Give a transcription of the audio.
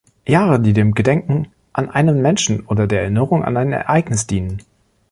Jahre, die dem Gedenken an einen Menschen oder der Erinnerung an ein Ereignis dienen.